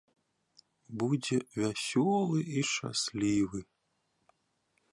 Будзь вясёлы і шчаслівы!